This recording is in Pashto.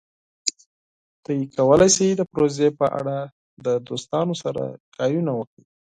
تاسو کولی شئ د پروژې په اړه د دوستانو سره خبرې وکړئ.